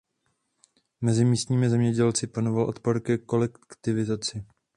Mezi místními zemědělci panoval odpor ke kolektivizaci.